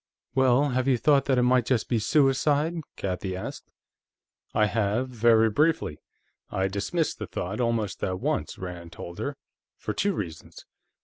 "Well, have you thought that it might just be suicide?" Kathie asked. "I have, very briefly; I dismissed the thought, almost at once," Rand told her. "For two reasons.